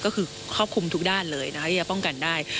ก็คือควบคุมทุกด้านเลยอย่าป้องกันได้